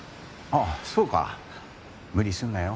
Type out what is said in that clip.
ああそうか無理すんなよ